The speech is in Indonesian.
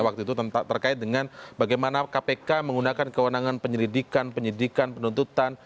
waktu itu terkait dengan bagaimana kpk menggunakan kewenangan penyelidikan penyidikan penuntutan